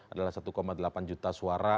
adalah satu delapan juta suara